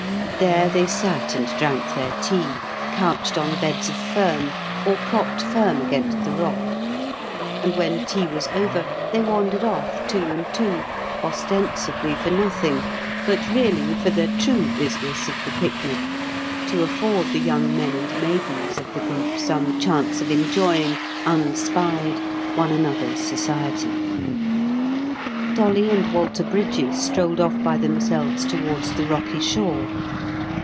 There they sat and drank their tea, couched on beds of fern or propped firm against the rock; and when tea was over, they wandered off, two and two, ostensibly for nothing, but really for the true business of the picnic—to afford the young men and maidens of the group some chance of enjoying, unspied, one another's society. Dolly and Walter Brydges strolled off by themselves toward the rocky shore.